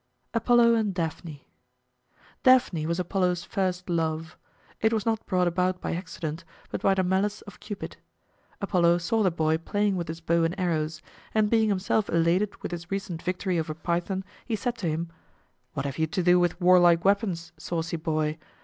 APOLLO AND DAPHNE Daphne was Apollo's first love. It was not brought about by accident, but by the malice of Cupid. Apollo saw the boy playing with his bow and arrows; and being himself elated with his recent victory over Python, he said to him, "What have you to do with warlike weapons, saucy boy?